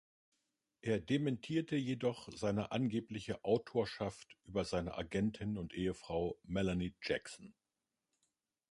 Er dementierte jedoch seine angebliche Autorschaft über seine Agentin und Ehefrau Melanie Jackson.